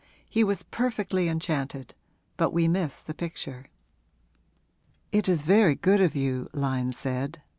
He was perfectly enchanted but we miss the picture.' 'It is very good of you,' Lyon said.